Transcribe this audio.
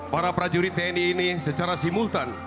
para prajurit tni ini secara simultan